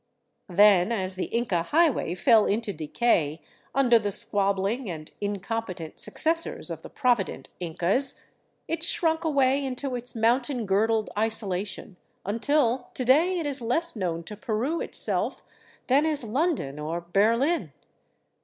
Then as the Inca highway fell into decay under the squabbling and incompetent successors of the provident Incas, it shrunk away into its mountain girdled isolation, until to day it is less known to Peru itself than is London or Berlin.